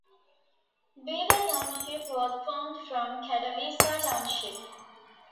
Beaver Township was formed from Catawissa Township.